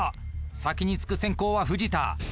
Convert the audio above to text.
先に突く先攻は藤田。